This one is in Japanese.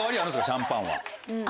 シャンパンは。